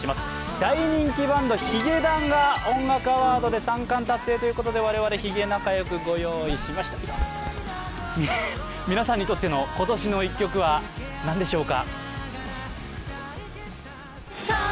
大人気バンド、ヒゲダンが音楽アワードで三冠達成で我々、ヒゲを仲良く御用意しました皆さんにとっての今年の１曲は何でしょうか。